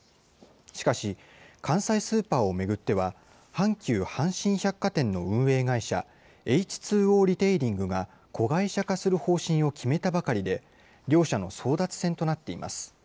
しかし、関西スーパーを巡っては、阪急阪神百貨店の運営会社、エイチ・ツー・オー・リテイリングが子会社化する方針を決めたばかりで、両社の争奪戦となっています。